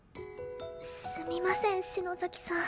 すみません篠崎さん。